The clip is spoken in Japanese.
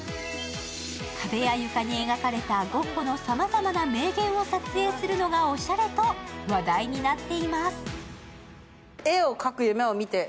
壁や床に描かれたゴッホのさまざまな名言を撮影するのがおしゃれと話題になっています。